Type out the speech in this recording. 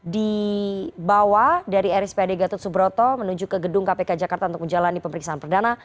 dibawa dari rspad gatot subroto menuju ke gedung kpk jakarta untuk menjalani pemeriksaan perdana